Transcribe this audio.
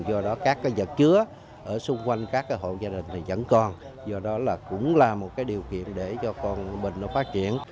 do đó các cái vật chứa ở xung quanh các cái hộ gia đình này vẫn còn do đó là cũng là một cái điều kiện để cho con bệnh nó phát triển